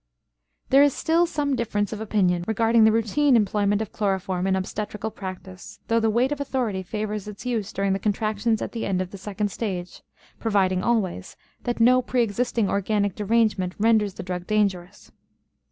There is still some difference of opinion regarding the routine employment of chloroform in obstetrical practice, though the weight of authority favors its use during the contractions at the end of the second stage, providing always that no preexisting organic derangement renders the drug dangerous.